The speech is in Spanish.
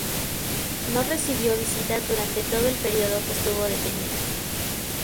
No recibió visitas durante todo el periodo que estuvo detenida.